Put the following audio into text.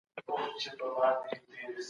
دوی نوي ټیکنالوژۍ ته زیات ارزښت ورکړ.